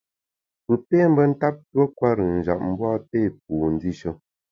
Pù pé mbe ntap tuo kwer-ùn njap, mbu a pé pu ndishe.